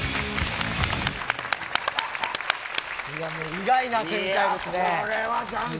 意外な展開ですね。